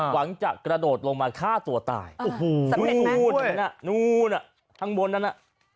หวังจะกระโดดลงมาฆ่าตัวตายโอ้โหนู่นน่ะนู่นน่ะข้างบนนั้นน่ะ